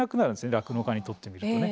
酪農家にとってみるとね。